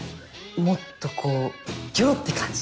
もっとこうギョロって感じで。